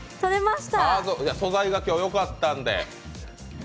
素材が今日、よかったんで。